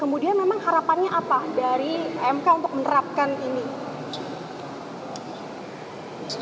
kemudian memang harapannya apa dari mk untuk menerapkan ini